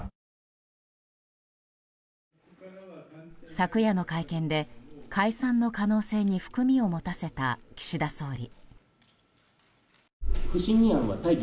昨夜の会見で解散の可能性に含みを持たせた岸田総理。